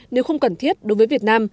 nếu không cần thiết đối với việt nam